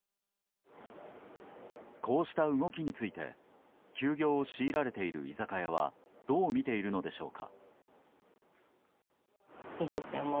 こうした動きについて休業を強いられている居酒屋はどうみているのでしょうか。